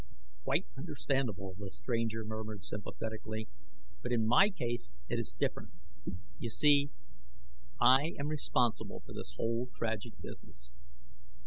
"Quite understandable," the stranger murmured sympathetically. "But in my case it is different. You see I am responsible for this whole tragic business!"